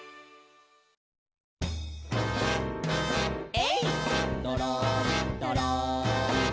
「えいっどろんどろん」